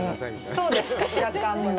どうですか、白川村。